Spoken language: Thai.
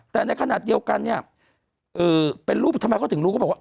แต่ในขณะเดียวกันเนี่ยเป็นรูปทำไมเขาถึงรู้เขาบอกว่า